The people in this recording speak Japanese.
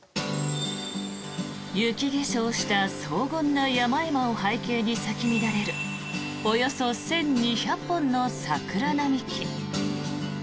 雪化粧した荘厳な山々を背景に咲き乱れるおよそ１２００本の桜並木。